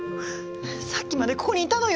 さっきまでここにいたのよ。